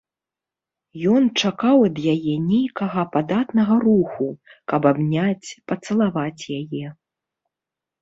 Ён чакаў ад яе нейкага падатнага руху, каб абняць, пацалаваць яе.